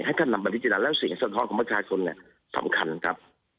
ให้เขานำพิจารณาแล้วเสียสะท้อนของประชาชนสำคัญครับ